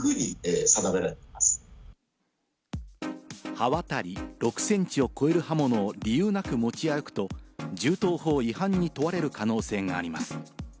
刃渡り６センチを超える刃物を理由なく持ち歩くと、銃刀法違反に問われる可能性があります。